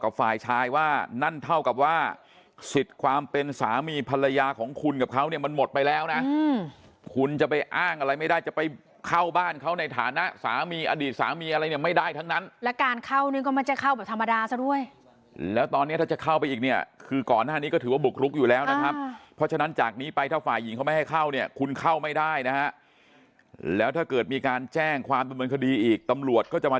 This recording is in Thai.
กับฝ่ายชายว่านั่นเท่ากับว่าสิทธิ์ความเป็นสามีภรรยาของคุณกับเขาเนี้ยมันหมดไปแล้วนะอืมคุณจะไปอ้างอะไรไม่ได้จะไปเข้าบ้านเขาในฐานะสามีอดีตสามีอะไรเนี้ยไม่ได้ทั้งนั้นแล้วการเข้านึงก็มันจะเข้าแบบธรรมดาซะด้วยแล้วตอนเนี้ยถ้าจะเข้าไปอีกเนี้ยคือก่อนหน้านี้ก็ถือว่าบุกรุกอยู่แล้วนะครับเพราะฉะ